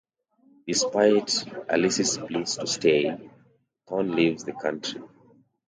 Despite Alice's pleas to stay, Thorne leaves the country.